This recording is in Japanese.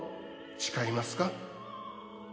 誓います。